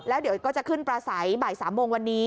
แล้วเดี๋ยวก็จะขึ้นประสัยบ่าย๓โมงวันนี้